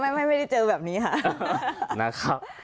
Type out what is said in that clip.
ไม่ได้เจอแบบนี้ค่ะนะครับ